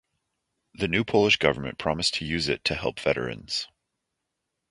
The new Polish government promised to use it to help veterans.